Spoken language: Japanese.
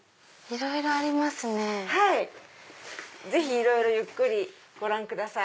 いろいろゆっくりご覧ください。